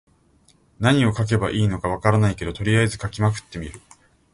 何を書けばいいのか分からないけど、とりあえず書きまくってみる。